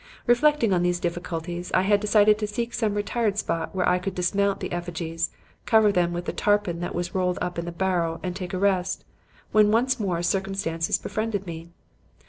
Reflecting on these difficulties, I had decided to seek some retired spot where I could dismount the effigies, cover them with the tarpaulin that was rolled up in the barrow and take a rest, when once more circumstances befriended me.